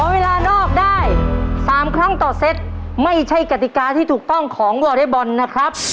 เวลานอกได้๓ครั้งต่อเซตไม่ใช่กติกาที่ถูกต้องของวอเล็กบอลนะครับ